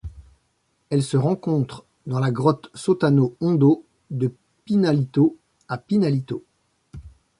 Elle se rencontre dans la grotte Sótano Hondo de Pinalito à Pinalito.